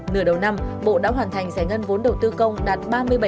nửa đầu năm bộ đã hoàn thành giải ngân vốn đầu tư công đạt ba mươi bảy